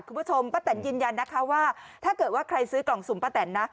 คุณผู้ชมป้าแตนยืนยันนะคะว่าถ้าเกิดว่าใครซื้อกล่องสุ่มป้าแตนนะ